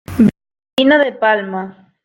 Beben vino de palma.